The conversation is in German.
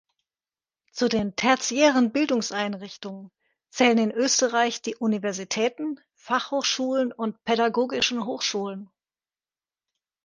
Zu den tertiären Bildungseinrichtungen zählen in Österreich die Universitäten, Fachhochschulen und Pädagogischen Hochschulen.